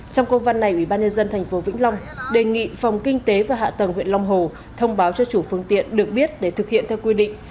trong công văn này ủy ban nhân dân tp vĩnh long đề nghị phòng kinh tế và hạ tầng huyện long hồ thông báo cho chủ phương tiện được biết để thực hiện theo quy định